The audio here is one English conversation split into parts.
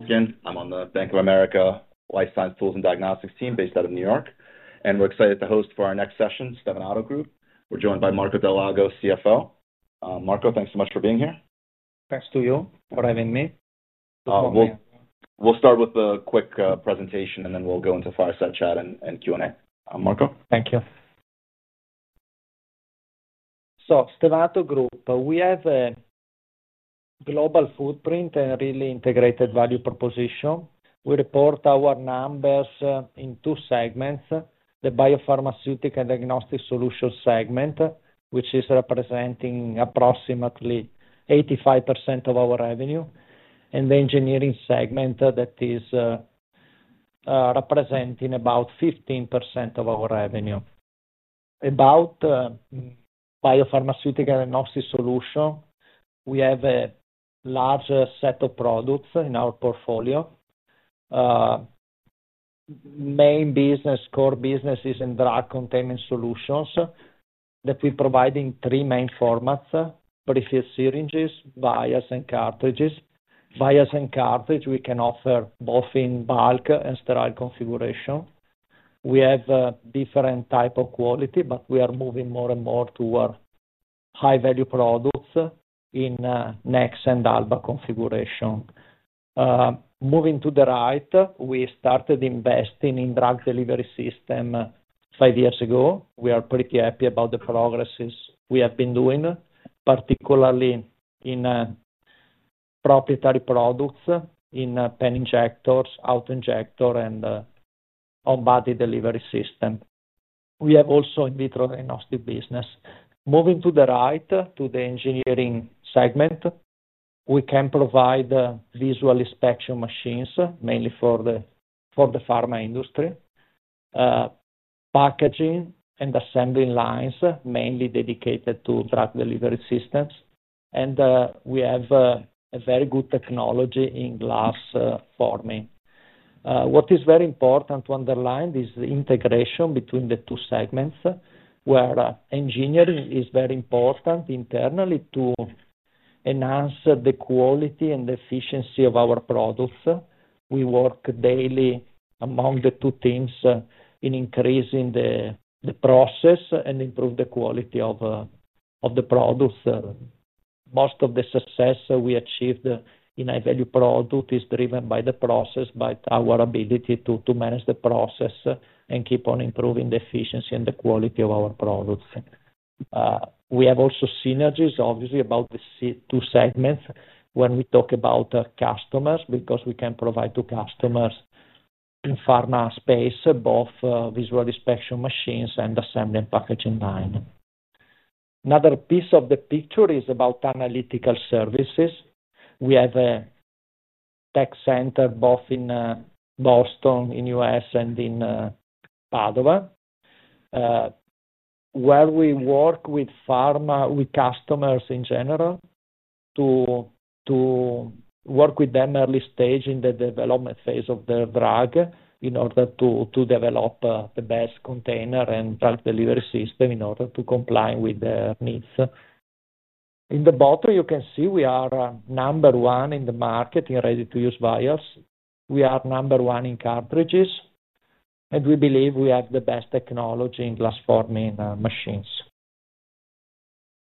Again, I'm on the Bank of America Life Science Tools and Diagnostics team based out of New York, and we're excited to host for our next session, Stevanato Group. We're joined by Marco Dal Lago, CFO. Marco, thanks so much for being here. Thank you for having me. We'll start with a quick presentation, and then we'll go into fireside chat and Q&A. Marco. Thank you. Stevanato Group, we have a global footprint and really integrated value proposition. We report our numbers in two segments: the biopharmaceutical and diagnostic solutions segment, which is representing approximately 85% of our revenue, and the engineering segment that is representing about 15% of our revenue. About biopharmaceutical and diagnostic solutions, we have a large set of products in our portfolio. Main business, core business is in drug containment solutions that we provide in three main formats: prefilled syringes, vials, and cartridges. Vials and cartridges, we can offer both in bulk and sterile configuration. We have different types of quality, but we are moving more and more toward high-value products in NEXA and Alba configuration. Moving to the right, we started investing in drug delivery systems five years ago. We are pretty happy about the progress we have been doing, particularly in proprietary products in pen injectors, auto-injectors, and on-body delivery systems. We have also an in vitro diagnostic business. Moving to the right, to the engineering segment, we can provide visual inspection machines, mainly for the pharma industry, packaging and assembly lines, mainly dedicated to drug delivery systems. We have a very good technology in glass forming. What is very important to underline is the integration between the two segments, where engineering is very important internally to enhance the quality and the efficiency of our products. We work daily among the two teams in increasing the process and improving the quality of the products. Most of the success we achieved in high-value products is driven by the process, by our ability to manage the process and keep on improving the efficiency and the quality of our products. We have also synergies, obviously, about the two segments when we talk about customers because we can provide to customers in the pharma space both visual inspection machines and assembly and packaging lines. Another piece of the picture is about analytical services. We have a tech center both in Boston, in the U.S., and in Padova, where we work with pharma customers in general to work with them early stage in the development phase of their drug in order to develop the best container and drug delivery system in order to comply with their needs. In the bottom, you can see we are number one in the market in ready-to-use vials. We are number one in cartridges, and we believe we have the best technology in glass forming machines.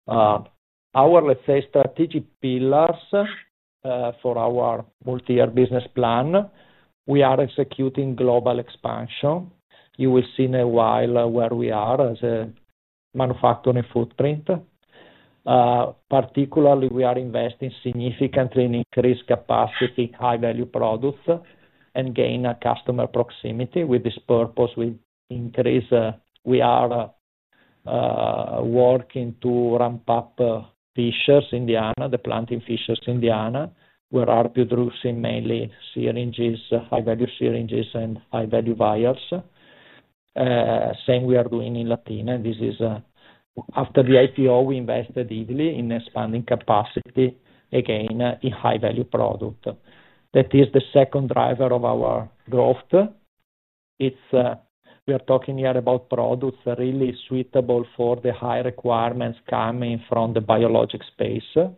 Our, let's say, strategic pillars for our multi-year business plan, we are executing global expansion. You will see in a while where we are as a manufacturing footprint. Particularly, we are investing significantly in increased capacity, high-value products, and gain customer proximity. With this purpose, we increase. We are working to ramp up Fishers, Indiana, the plant in Fishers, Indiana, where we are producing mainly syringes, high-value syringes, and high-value vials. Same we are doing in Latina. This is after the IPO. We invested deeply in expanding capacity again in high-value products. That is the second driver of our growth. We are talking here about products really suitable for the high requirements coming from the biologics space.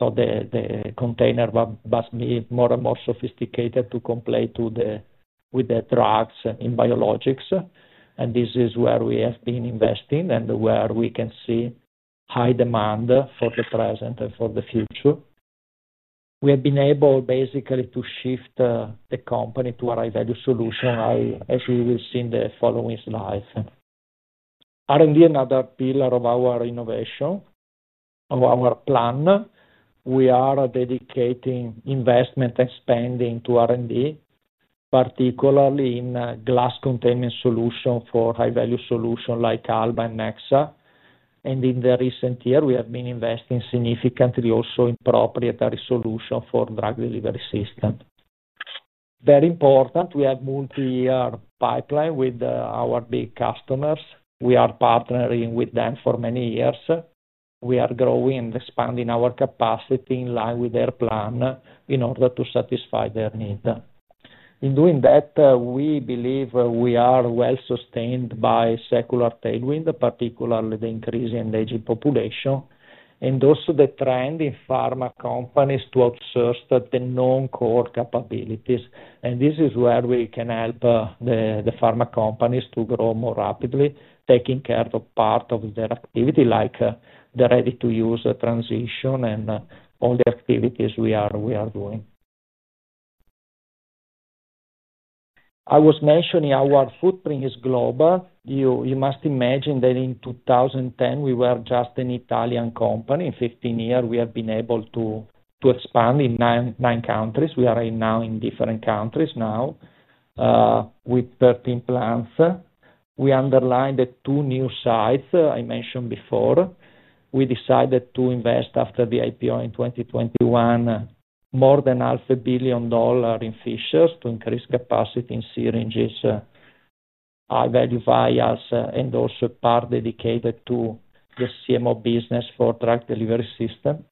The container must be more and more sophisticated to comply with the drugs in biologics. This is where we have been investing and where we can see high demand for the present and for the future. We have been able basically to shift the company to a high-value solution, as we will see in the following slides. R&D, another pillar of our innovation of our plan. We are dedicating investment and spending to R&D, particularly in glass containment solutions for high-value solutions like Alba® and NEXA®. In the recent year, we have been investing significantly also in proprietary solutions for drug delivery systems. Very important, we have a multi-year pipeline with our big customers. We are partnering with them for many years. We are growing and expanding our capacity in line with their plan in order to satisfy their needs. In doing that, we believe we are well sustained by secular tailwind, particularly the increase in aging population and also the trend in pharma companies to outsource the non-core capabilities. This is where we can help the pharma companies to grow more rapidly, taking care of part of their activity like the ready-to-use transition and all the activities we are doing. I was mentioning our footprint is global. You must imagine that in 2010, we were just an Italian company. In 15 years, we have been able to expand in nine countries. We are right now in different countries now with 13 plants. We underlined the two new sites I mentioned before. We decided to invest after the IPO in 2021 more than half a billion dollars in Fishers to increase capacity in syringes, high-value vials, and also a part dedicated to the CMO business for drug delivery system.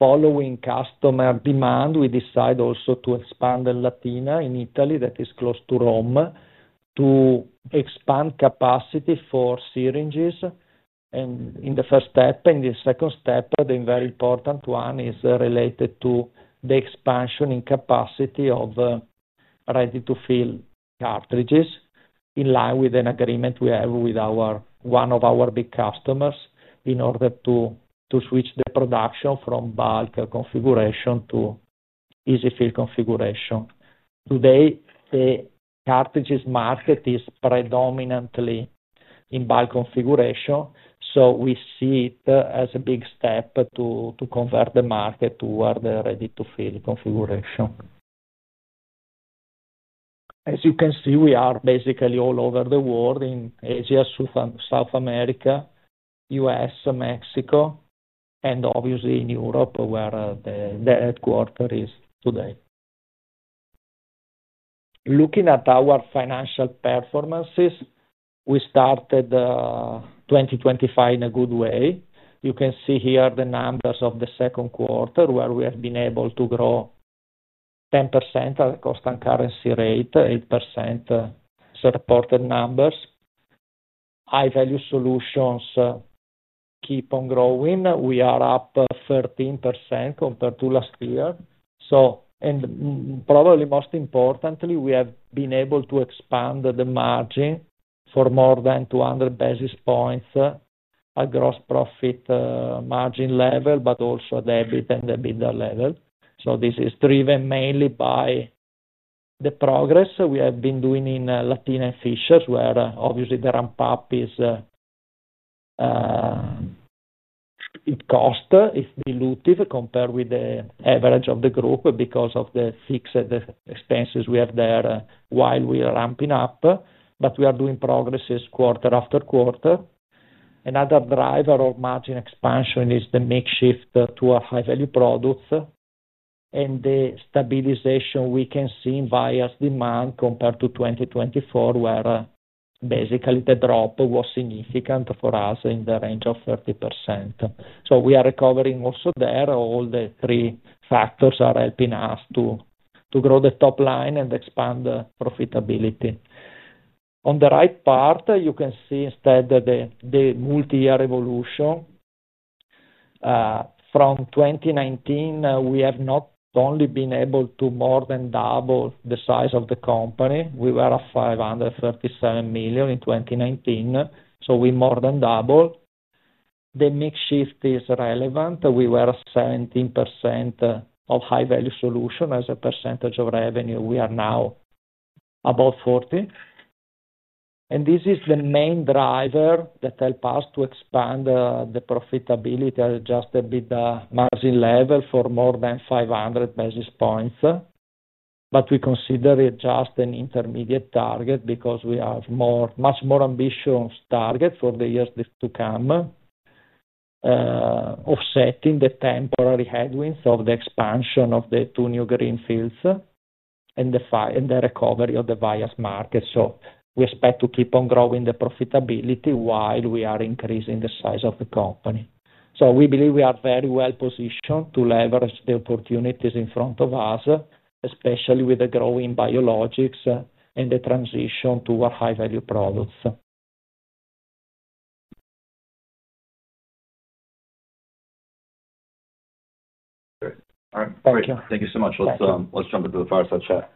Following customer demand, we decide also to expand in Latina, in Italy, that is close to Rome, to expand capacity for syringes. In the first step, in the second step, the very important one is related to the expansion in capacity of ready-to-use cartridges in line with an agreement we have with one of our big customers in order to switch the production from bulk configuration to EZ-fill® configuration. Today, the cartridges market is predominantly in bulk configuration. We see it as a big step to convert the market toward the ready-to-use configuration. As you can see, we are basically all over the world in Asia, South America, U.S., Mexico, and obviously in Europe where the headquarters is today. Looking at our financial performances, we started 2025 in a good way. You can see here the numbers of the second quarter where we have been able to grow 10% at the constant currency rate, 8% as reported numbers. High-value solutions keep on growing. We are up 13% compared to last year. Probably most importantly, we have been able to expand the margin for more than 200 basis points at gross profit margin level, but also at the mid and the middle level. This is driven mainly by the progress we have been doing in Latina and Fishers where obviously the ramp-up cost is dilutive compared with the average of the group because of the fixed expenses we have there while we are ramping up. We are doing progress quarter after quarter. Another driver of margin expansion is the mix shift to our high-value products and the stabilization we can see in vials demand compared to 2024 where basically the drop was significant for us in the range of 30%. We are recovering also there. All the three factors are helping us to grow the top line and expand profitability. On the right part, you can see instead the multi-year evolution. From 2019, we have not only been able to more than double the size of the company. We were at $537 million in 2019. We more than doubled. The mix shift is relevant. We were 17% of high-value solutions as a percentage of revenue. We are now about 40%. This is the main driver that helps us to expand the profitability at just the mid-margin level for more than 500 basis points. We consider it just an intermediate target because we have much more ambitious targets for the years to come, offsetting the temporary headwinds of the expansion of the two new greenfields and the recovery of the vials market. We expect to keep on growing the profitability while we are increasing the size of the company. We believe we are very well positioned to leverage the opportunities in front of us, especially with the growing biologics and the transition to our high-value products. All right. Thank you so much. Let's jump into the fireside chat.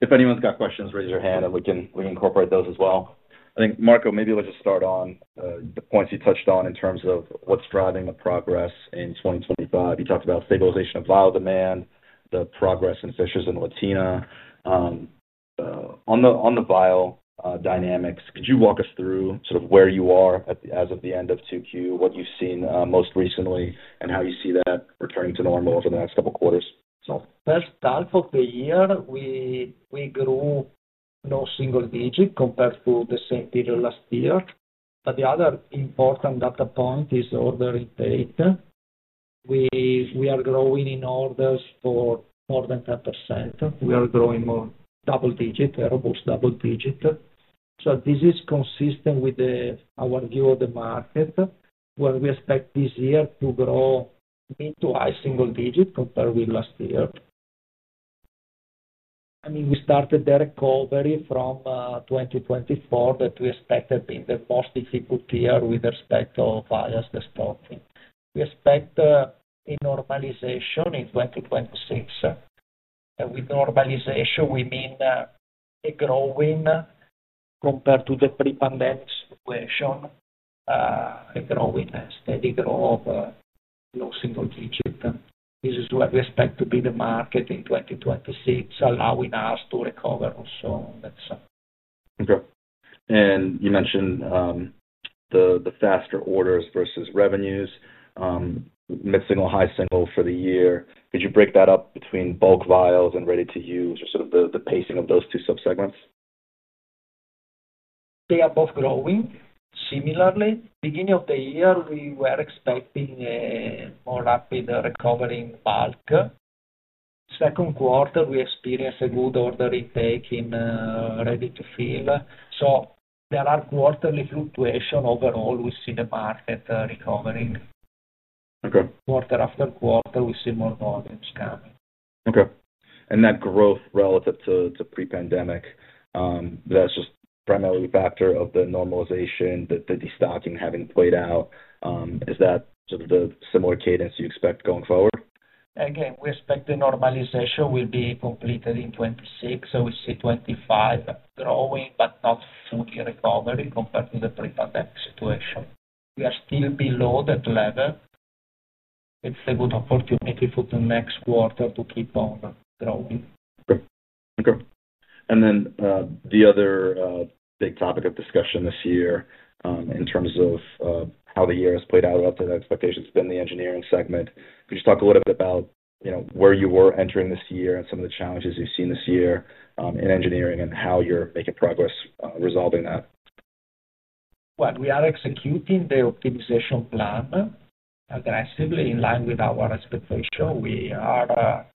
If anyone's got questions, raise your hand and we can incorporate those as well. I think, Marco, maybe let's just start on the points you touched on in terms of what's driving the progress in 2025. You talked about stabilization of vial demand, the progress in Fishers and Latina. On the vial dynamics, could you walk us through sort of where you are as of the end of Q2, what you've seen most recently, and how you see that returning to normal over the next couple of quarters? First half of the year, we grew low single digit compared to the same figure last year. The other important data point is order intake. We are growing in orders for more than 10%. We are growing more double digits, almost double digits. This is consistent with our view of the market where we expect this year to grow into a single digit compared with last year. I mean, we started the recovery from 2024 that we expected being the most difficult year with respect to vials stock. We expect a normalization in 2026. With normalization, we mean a growing compared to the pre-pandemic situation, a growing steady growth, low single digit. This is what we expect to be the market in 2026, allowing us to recover also next year. Okay. You mentioned the faster orders versus revenues, mid-single, high single for the year. Could you break that up between bulk vials and ready-to-use or the pacing of those two subsegments? They are both growing. Similarly, at the beginning of the year, we were expecting a more rapid recovery in bulk. In the second quarter, we experienced a good order intake in ready-to-use. There are quarterly fluctuations overall. We see the market recovering. Quarter after quarter, we see more volumes coming. Okay. That growth relative to pre-pandemic, that's just primarily a factor of the normalization, the destocking having played out. Is that sort of the similar cadence you expect going forward? Again, we expect the normalization will be completed in 2026. We see 2025 growing, but not fully recovering compared to the pre-pandemic situation. We are still below that level. It's a good opportunity for the next quarter to keep on growing. Okay. The other big topic of discussion this year in terms of how the year has played out relative to expectations within the engineering segment, could you talk a little bit about where you were entering this year and some of the challenges you've seen this year in engineering and how you're making progress resolving that? We are executing the optimization plan aggressively in line with our expectation. We are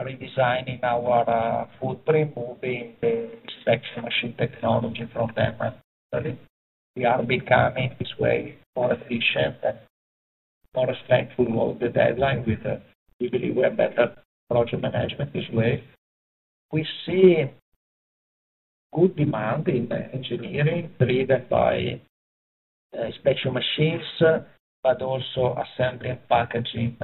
redesigning our footprint, moving the inspection machine technology from them. We are becoming this way more efficient and more straightforward with the deadlines. We believe we have better project management this way. We see good demand in engineering driven by inspection machines, but also assembly and packaging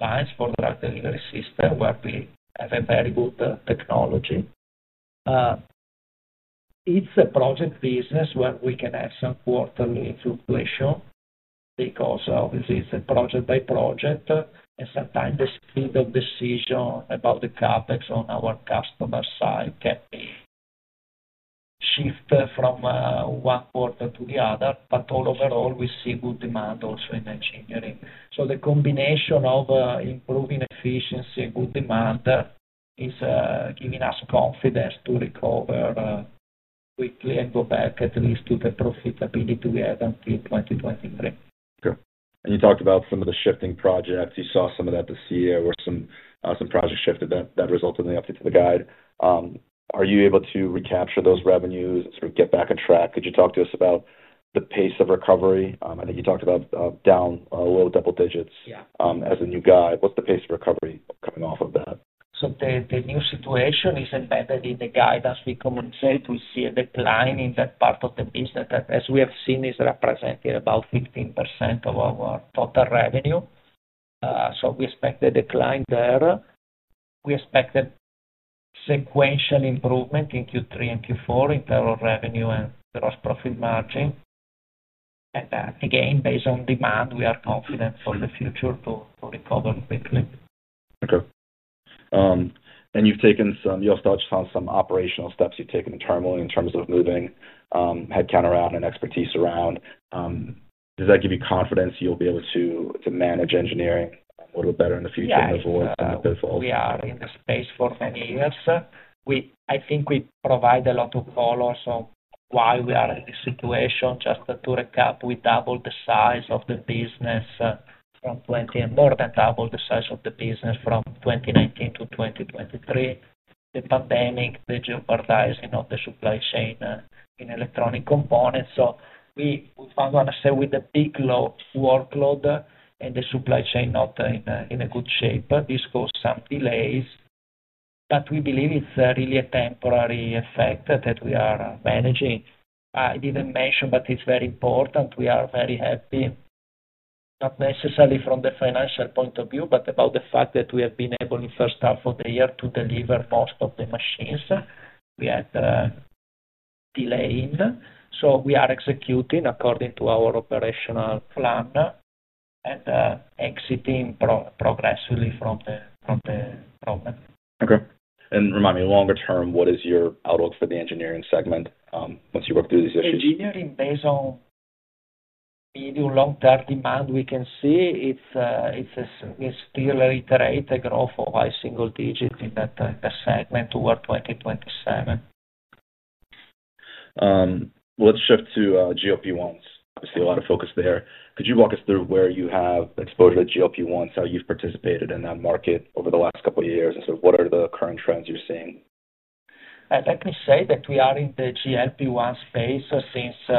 lines for drug delivery systems where we have a very good technology. It's a project business where we can have some quarterly fluctuation because obviously it's a project by project. Sometimes the speed of decision about the CapEx on our customer side can be shifted from one quarter to the other. Overall, we see good demand also in engineering. The combination of improving efficiency and good demand is giving us confidence to recover quickly and go back at least to the profitability we had in 2023. Okay. You talked about some of the shifting projects. You saw some of that this year where some projects shifted that resulted in the update to the guide. Are you able to recapture those revenues, sort of get back on track? Could you talk to us about the pace of recovery? I know you talked about down a little double digits as a new guide. What's the pace of recovery coming off of that? The new situation is embedded in the guide. As we communicate, we see a decline in that part of the business that, as we have seen, is representing about 15% of our total revenue. We expect a decline there. We expect a sequential improvement in Q3 and Q4 in terms of revenue and gross profit margin. Again, based on demand, we are confident for the future to recover quickly. Okay. You also touched on some operational steps you've taken internally in terms of moving headcount around and expertise around. Does that give you confidence you'll be able to manage engineering a little better in the future and avoid some of those falls? We are in the space for many years. I think we provide a lot of follow-ups on why we are in this situation. Just to recap, we doubled the size of the business from 2020 and more than doubled the size of the business from 2019 to 2023. The pandemic, the jeopardizing of the supply chain in electronic components. We found ourselves with a big workload and the supply chain not in a good shape. This caused some delays, but we believe it's really a temporary effect that we are managing. I didn't mention, but it's very important. We are very happy, not necessarily from the financial point of view, but about the fact that we have been able in the first half of the year to deliver most of the machines we had delaying. We are executing according to our operational plan and exiting progressively from the problem. Okay. Marco, longer term, what is your outlook for the engineering segment once you work through these issues? Engineering, based on medium-long-term demand, we can see it's still an iterated growth of a single digit in that segment toward 2027. Let's shift to GLP-1 therapies. We see a lot of focus there. Could you walk us through where you have exposure to GLP-1 therapies, how you've participated in that market over the last couple of years, and what are the current trends you're seeing? Let me say that we are in the GLP-1 space since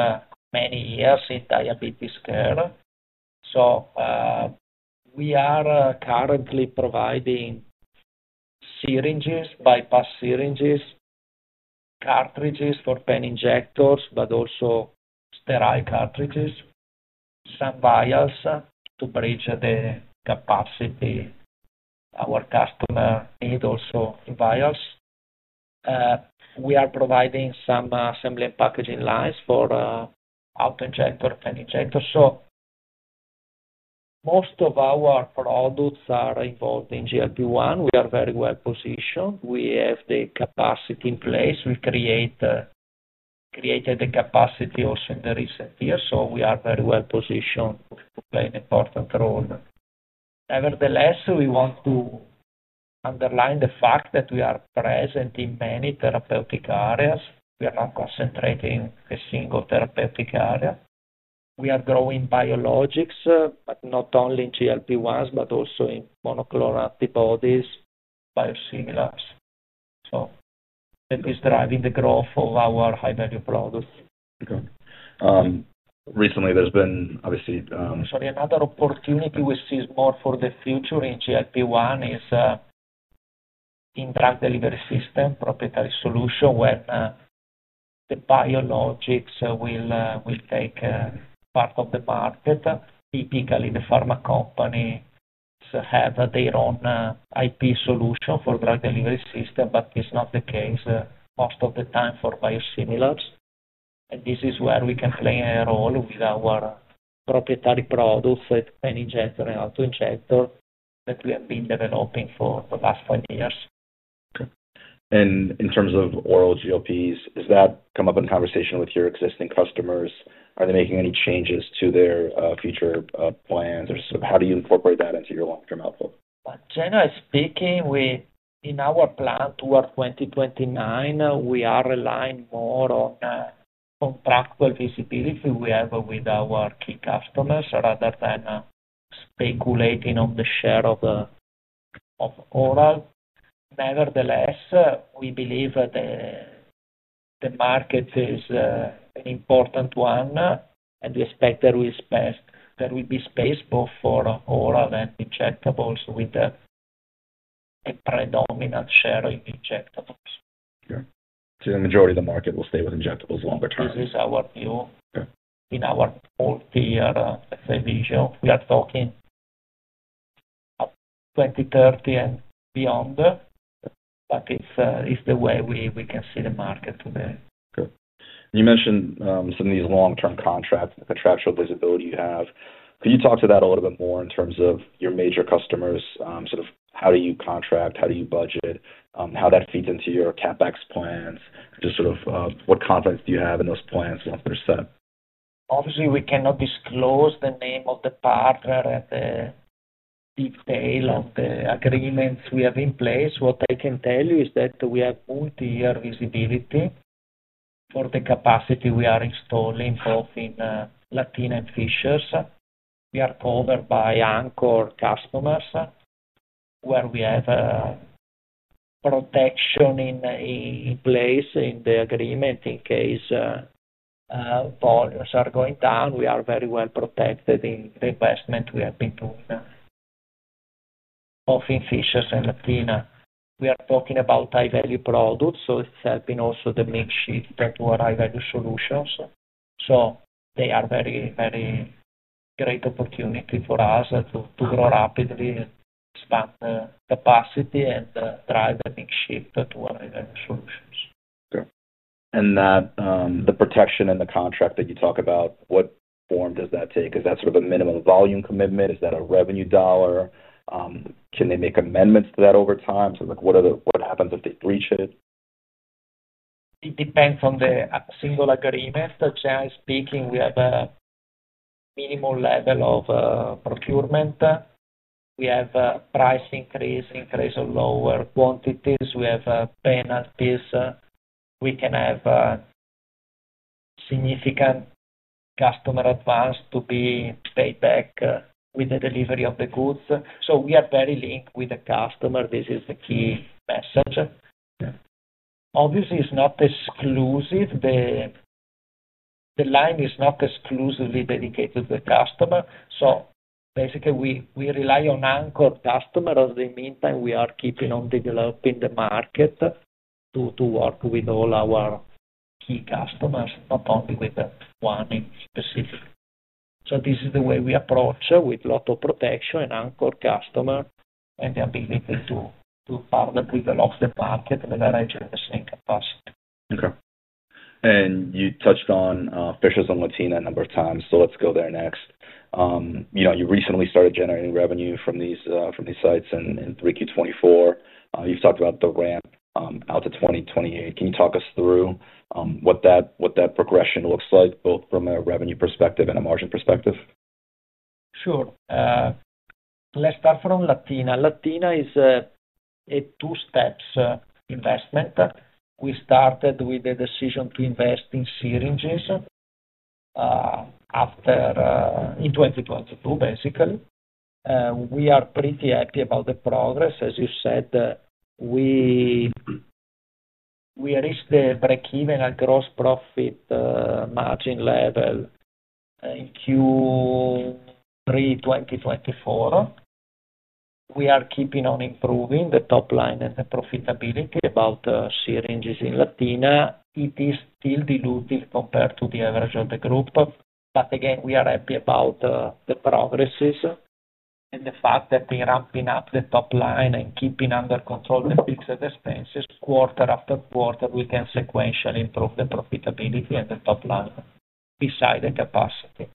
many years in diabetes care. We are currently providing syringes, bypass syringes, cartridges for pen injectors, but also sterile cartridges, some vials to bridge the capacity our customer needs, also vials. We are providing some assembly and packaging lines for auto-injectors, pen injectors. Most of our products are involved in GLP-1. We are very well positioned. We have the capacity in place. We created the capacity also in the recent years. We are very well positioned to play an important role. Nevertheless, we want to underline the fact that we are present in many therapeutic areas. We are not concentrating in a single therapeutic area. We are growing biologics, but not only in GLP-1s, but also in monoclonal antibodies, biosimilars. It is driving the growth of our high-value products. Okay. Recently, there's been, obviously, sorry. Another opportunity we see more for the future in GLP-1 is in drug delivery system, proprietary solutions, when the biologics will take part of the market. Typically, the pharma companies have their own IP solution for drug delivery system, it's not the case most of the time for biosimilars. This is where we can play a role with our proprietary products, pen injector and auto-injector that we have been developing for the last 20 years. Okay. In terms of oral GLP-1s, does that come up in conversation with your existing customers? Are they making any changes to their future plans? How do you incorporate that into your long-term outlook? Generally speaking, we in our plan toward 2029, we are relying more on comparable visibility we have with our key customers rather than speculating on the share of orals. Nevertheless, we believe that the market is an important one, and we expect there will be space both for oral and injectables with a predominant share in injectables. Okay, the majority of the market will stay with injectables longer term. This is our view in our multi-year vision. We are talking about 2030 and beyond, but it's the way we can see the market today. Okay. You mentioned some of these long-term contracts, contractual visibility you have. Could you talk to that a little bit more in terms of your major customers? Sort of how do you contract? How do you budget it? How that feeds into your CapEx plans? Just sort of what confidence do you have in those plans once they're set up? Obviously, we cannot disclose the name of the partner and the detail and the agreements we have in place. What I can tell you is that we have multi-year visibility for the capacity we are installing both in Latina and Fishers. We are covered by anchor customers where we have protection in place in the agreement in case volumes are going down. We are very well protected in the investment we have been doing both in Fishers and Latina. We are talking about high-value products, it's helping also the makeshift to our high-value solutions. They are very, very great opportunities for us to grow rapidly, expand capacity, and drive the makeshift to our high-value solutions. Okay. The protection in the contract that you talk about, what form does that take? Is that sort of a minimum volume commitment? Is that a revenue dollar? Can they make amendments to that over time? What happens if they breach it? It depends on the single agreement. Generally speaking, we have a minimal level of procurement. We have a price increase, increase of lower quantities, and we have a penalty. We can have a significant customer advance to be paid back with the delivery of the goods. We are very linked with the customer. This is the key message. Obviously, it's not exclusive. The line is not exclusively dedicated to the customer. We rely on anchor customers. In the meantime, we are keeping on developing the market to work with all our key customers, not only with one in specific. This is the way we approach, with a lot of protection and anchor customer and the ability to partner with the larger market and arrange the same capacity. Okay. You touched on Fishers and Latina a number of times, so let's go there next. You know, you recently started generating revenue from these sites in Q3 2024. You've talked about the ramp out to 2028. Can you talk us through what that progression looks like, both from a revenue perspective and a margin perspective? Sure. Let's start from Latina. Latina is a two-step investment. We started with the decision to invest in syringes in 2022, basically. We are pretty happy about the progress. As you said, we reached the break-even at gross profit margin level in Q3 2024. We are keeping on improving the top line and the profitability about syringes in Latina. It is still dilutive compared to the average of the group. Again, we are happy about the progresses and the fact that we're ramping up the top line and keeping under control the fixed expenses. Quarter after quarter, we can sequentially improve the profitability and the top line beside the capacity.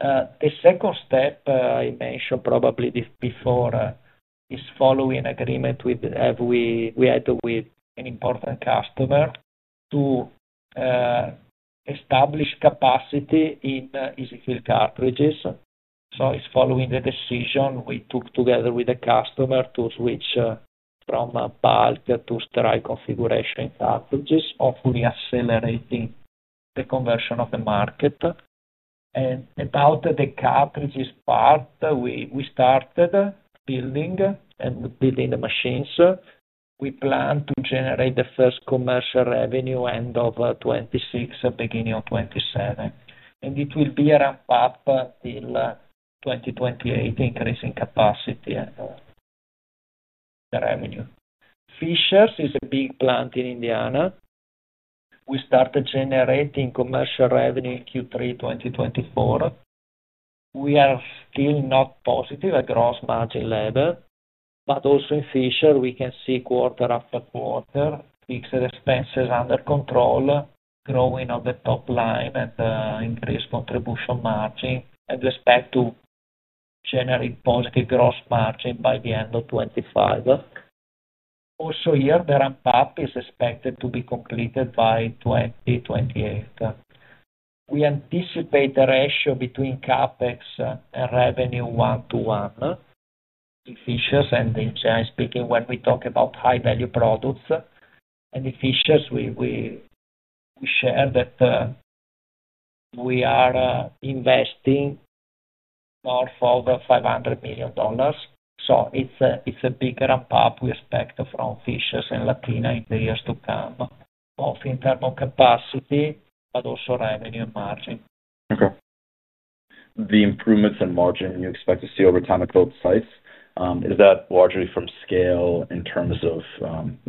The second step I mentioned probably before is following an agreement we had with an important customer to establish capacity in EZ-fill® cartridges. It is following the decision we took together with the customer to switch from bulk to sterile configuration cartridges, hopefully accelerating the conversion of the market. About the cartridges part, we started building and building the machines. We plan to generate the first commercial revenue end of 2026, beginning of 2027. It will be a ramp-up till 2028, increasing capacity and revenue. Fishers is a big plant in Indiana. We started generating commercial revenue in Q3 2024. We are still not positive at gross margin level, but also in Fishers, we can see quarter after quarter, fixed expenses under control, growing on the top line and increased contribution margin. We expect to generate positive gross margin by the end of 2025. Also here, the ramp-up is expected to be completed by 2028. We anticipate a ratio between CapEx and revenue one-to-one in Fishers and, generally speaking, when we talk about high-value products. In Fishers, we share that we are investing north of $500 million. It is a bigger ramp-up we expect from Fishers and Latina in the years to come, both in thermal capacity, but also revenue and margin. Okay. The improvements in margin you expect to see over time at both sites, is that largely from scale in terms of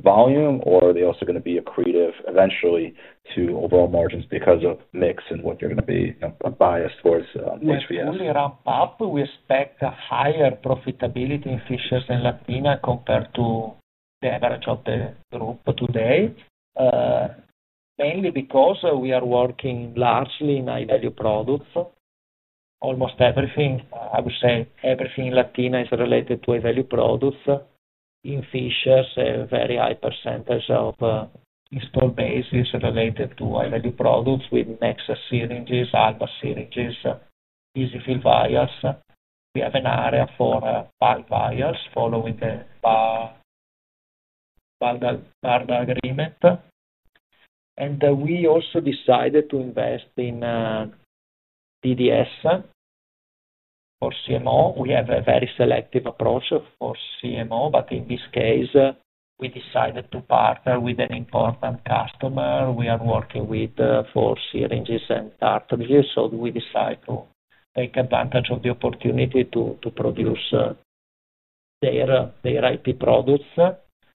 volume, or are they also going to be accretive eventually to overall margins because of mix and what you're going to be biased towards? It's only a ramp-up. We expect a higher profitability in Fishers and Latina compared to the average of the group today, mainly because we are working largely in high-value products. Almost everything, I would say everything in Latina is related to high-value products. In Fishers, a very high percentage of installed bases is related to high-value products with NEXA® syringes, Alba® syringes, EZ-fill® vials. We have an area for bulk vials following the Barna agreement. We also decided to invest in drug delivery systems for CMO. We have a very selective approach for CMO, but in this case, we decided to partner with an important customer we are working with for syringes and cartridges. We decided to take advantage of the opportunity to produce their IP products.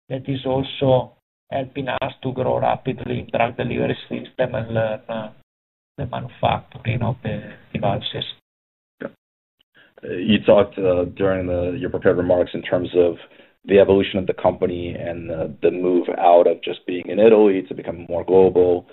That is also helping us to grow rapidly in drug delivery systems and learn the manufacturing of the devices. You talked during your prepared remarks in terms of the evolution of the company and the move out of just being in Italy to become more global,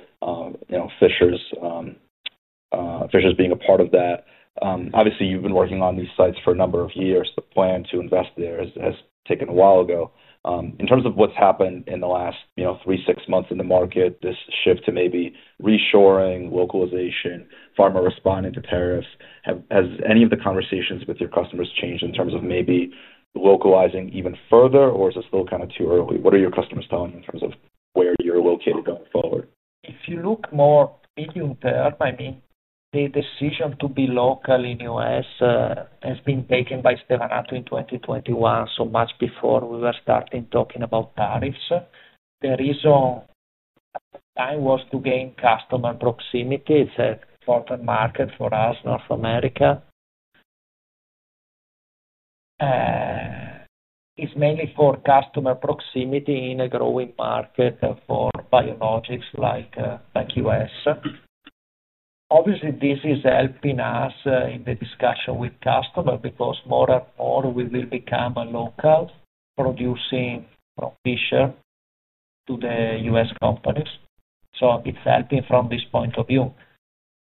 Fishers being a part of that. Obviously, you've been working on these sites for a number of years. The plan to invest there was taken a while ago. In terms of what's happened in the last three to six months in the market, this shift to maybe reshoring, localization, pharma responding to tariffs, has any of the conversations with your customers changed in terms of maybe localizing even further, or is it still kind of too early? What are your customers telling you in terms of where you're located going forward? If you look more medium-term, I mean, the decision to be local in the U.S. has been taken by Stevanato Group in 2021, so much before we were starting talking about tariffs. The reason at the time was to gain customer proximity. It's an important market for us, North America. It's mainly for customer proximity in a growing market for biologics like the U.S. Obviously, this is helping us in the discussion with customers because more and more we will become a local producer of Fisher to the U.S. companies. It's healthy from this point of view.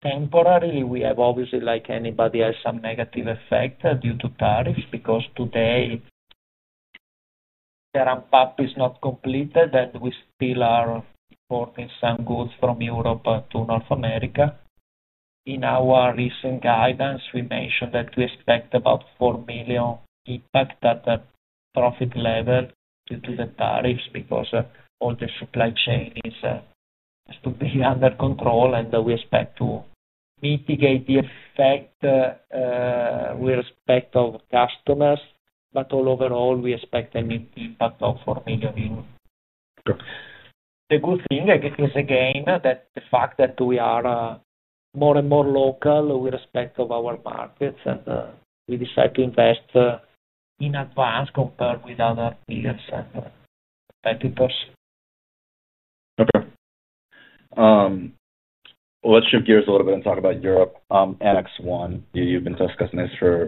Temporarily, we have, obviously, like anybody else, some negative effect due to tariffs because today the ramp-up is not completed, and we still are importing some goods from Europe to North America. In our recent guidance, we mentioned that we expect about €4 million impact at the profit level due to the tariffs because all the supply chain is to be under control, and we expect to mitigate the effect with respect to customers. Overall, we expect a minimum impact of €4 million. The good thing is, again, that the fact that we are more and more local with respect to our markets and we decide to invest in advance compared with other peers. Okay. Let's shift gears a little bit and talk about Europe, NEXA®. You've been discussing this for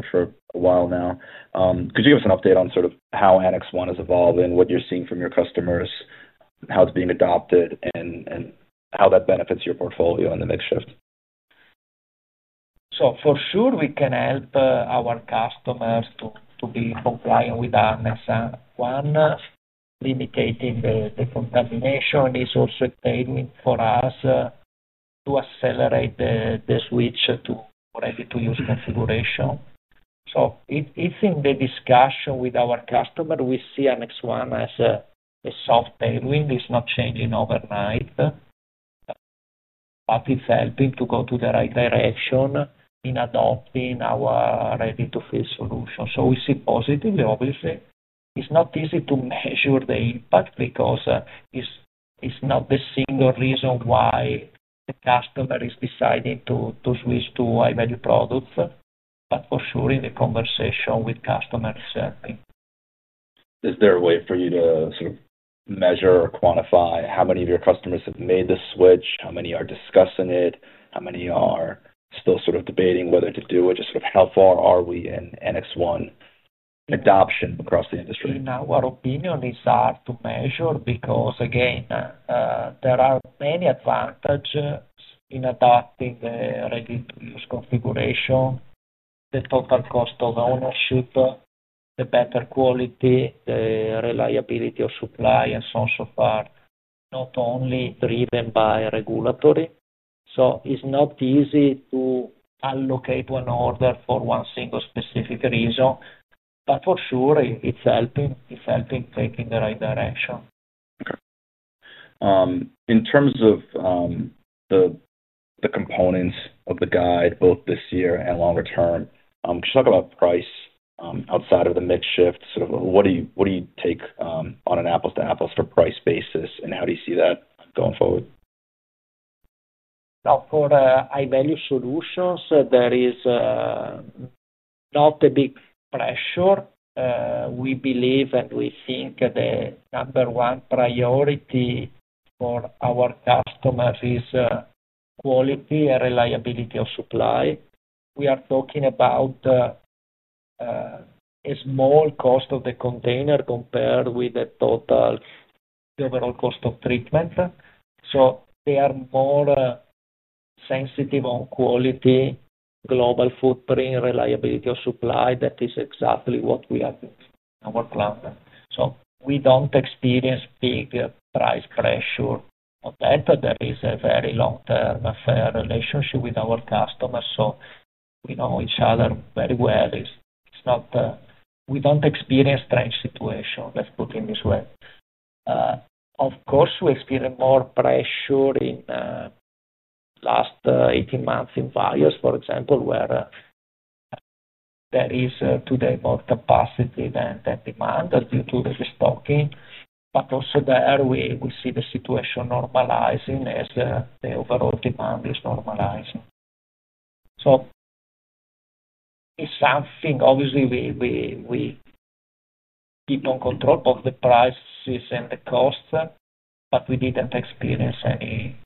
a while now. Could you give us an update on sort of how NEXA® is evolving, what you're seeing from your customers, how it's being adopted, and how that benefits your portfolio in the makeshift? We can help our customers to be compliant with NX1. Limiting the contamination is also a training for us to accelerate the switch to ready-to-use configuration. It's in the discussion with our customers. We see NX1 as a soft tailwind. It's not changing overnight, but it's helping to go in the right direction in adopting our ready-to-use solution. We see it positively. Obviously, it's not easy to measure the impact because it's not the single reason why the customer is deciding to switch to high-value products, but for sure in the conversation with customers it's helping. Is there a way for you to sort of measure or quantify how many of your customers have made the switch, how many are discussing it, how many are still sort of debating whether to do it, just sort of how far are we in NEXA® adoption across the industry? In our opinion, it's hard to measure because, again, there are many advantages in adopting the ready-to-use configuration. The total cost of ownership, the better quality, the reliability of supply, and so on and so forth, not only driven by regulatory. It's not easy to allocate one order for one single specific reason. For sure, it's helping. It's helping taking the right direction. In terms of the components of the guide, both this year and longer term, just talk about price outside of the makeshift. What do you take on an apples-to-apples for price basis, and how do you see that going forward? Now, for high-value solutions, there is not a big pressure. We believe and we think the number one priority for our customers is quality and reliability of supply. We are talking about a small cost of the container compared with the total, the overall cost of treatment. They are more sensitive on quality, global footprint, reliability of supply. That is exactly what we are doing in our plant. We don't experience big price pressure on that. There is a very long-term affair relationship with our customers. We know each other very well. It's not that we don't experience strange situations, let's put it this way. Of course, we experience more pressure in the last 18 months in vials, for example, where there is today more capacity than demand due to the restocking. Also there, we see the situation normalizing as the overall demand is normalizing. It's something, obviously, we keep on control of the prices and the costs, but we didn't experience any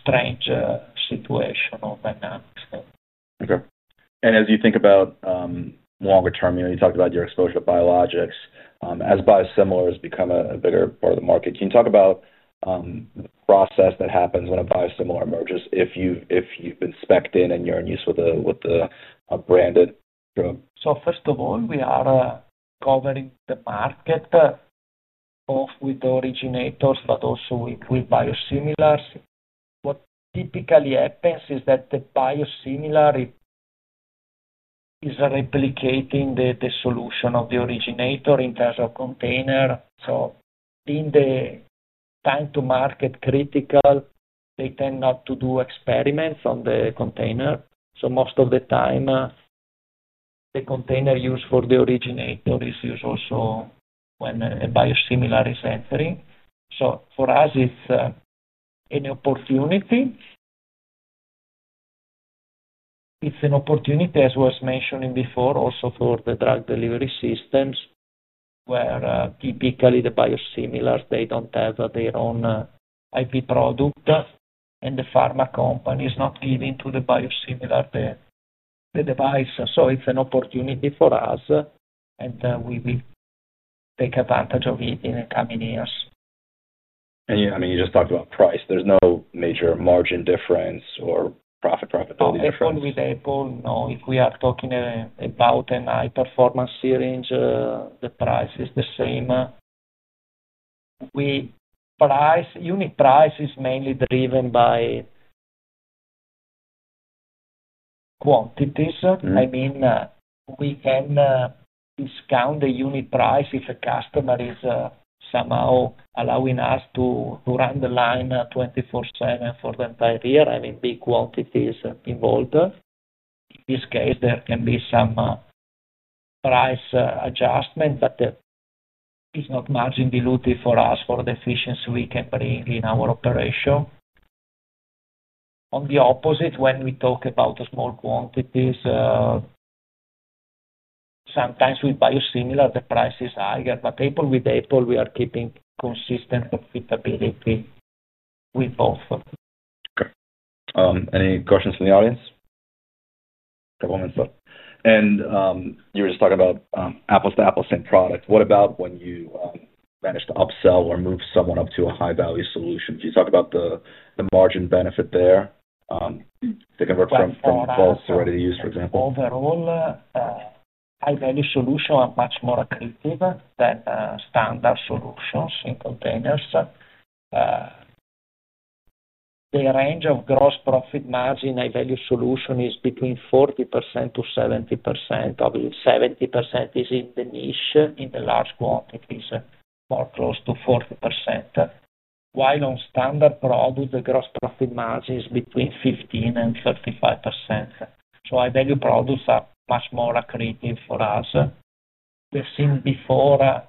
strange situation on that kind of thing. Okay. As you think about longer term, you talked about your exposure to biologics. As biosimilars become a bigger part of the market, can you talk about the process that happens when a biosimilar emerges if you've been specced in and you're in use with a branded drug? First of all, we are covering the market both with originators and with biosimilars. What typically happens is that the biosimilar is replicating the solution of the originator in terms of container. In the time-to-market critical, they tend not to do experiments on the container. Most of the time, the container used for the originator is used also when a biosimilar is entering. For us, it's an opportunity. It's an opportunity, as was mentioned before, also for the drug delivery systems where typically the biosimilars don't have their own IP product, and the pharma company is not giving to the biosimilar the device. It's an opportunity for us, and we will take advantage of it in the coming years. Yeah, I mean, you just talked about price. There's no major margin difference or profitability difference. Even with EPOL, no. If we are talking about a high-performance syringe, the price is the same. We price unit price is mainly driven by quantities. I mean, we can discount the unit price if a customer is somehow allowing us to run the line 24/7 for the entire year. I mean, big quantities involved. In this case, there can be some price adjustment, but it's not margin dilutive for us for the efficiency we can bring in our operation. On the opposite, when we talk about small quantities, sometimes with biosimilar, the price is higher. Even with EPOL, we are keeping consistent profitability with both. Okay. Any questions from the audience? A couple of minutes left. You were just talking about apples-to-apples in products. What about when you manage to upsell or move someone up to a high-value solution? Could you talk about the margin benefit there? They can work from EPOL's story that you used, for example. Overall, high-value solutions are much more attractive than standard solutions in containers. The range of gross profit margin in high-value solutions is between 40% to 70%. Obviously, 70% is in the niche. In the large quantities, more close to 40%. While on standard products, the gross profit margin is between 15% and 35%. High-value products are much more accretive for us. We've seen before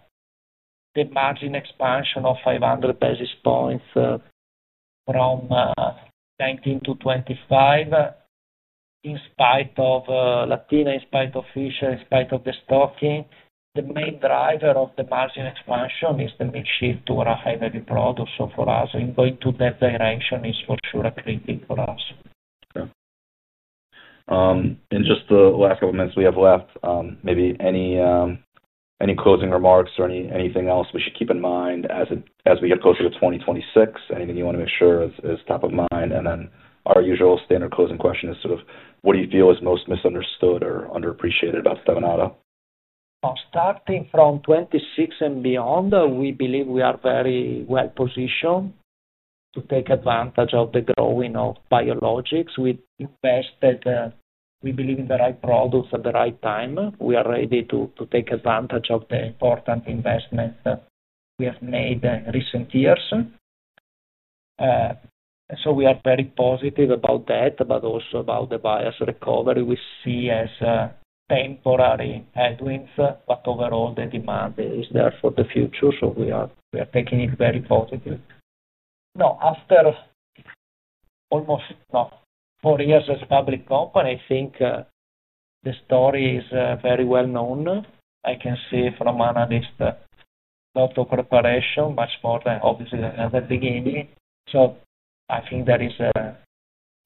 the margin expansion of 500 basis points from 19% to 25%, in spite of Latina, in spite of Fishers, in spite of the stocking. The main driver of the margin expansion is the makeshift or a high-value product. For us, in going to that direction, it's for sure accretive for us. Okay. In the last couple of minutes we have left, maybe any closing remarks or anything else we should keep in mind as we get closer to 2026? Anything you want to make sure is top of mind? Our usual standard closing question is sort of what do you feel is most misunderstood or underappreciated about Stevanato Group? Starting from 2026 and beyond, we believe we are very well positioned to take advantage of the growing biologics. We invested, we believe, in the right products at the right time. We are ready to take advantage of the important investments we have made in recent years. We are very positive about that, and also about the bias recovery we see as temporary headwinds. Overall, the demand is there for the future. We are taking it very positively. Now, after almost four years as a public company, I think the story is very well known. I can see from analysts' preparation, much more than obviously at the beginning. I think there is a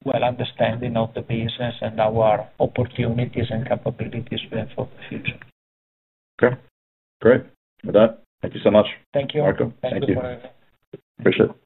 well understanding of the business and our opportunities and capabilities for the future. Okay, great. With that, thank you so much. Thank you. Marco, thank you. Thank you. Appreciate it.